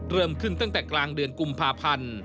เริ่มขึ้นตั้งแต่กลางเดือนกุมภาพันธ์